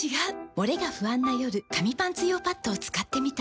モレが不安な夜紙パンツ用パッドを使ってみた。